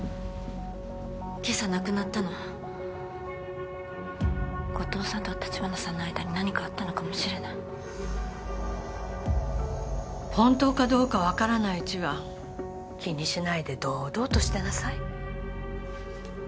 今朝亡くなったの後藤さんと橘さんの間に何かあったのかもしれない本当かどうか分からないうちは気にしないで堂々としてなさい